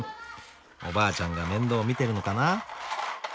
おばあちゃんが面倒見てるのかな。